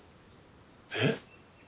えっ？